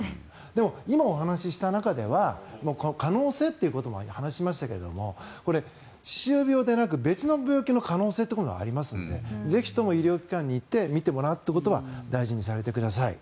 でも、今お話しした中では可能性ということもお話ししましたがこれ、歯周病でなく別の病気の可能性ということもありますからぜひとも医療機関に行って診てもらうということは大事にされてください。